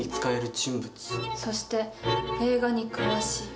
そして映画に詳しい。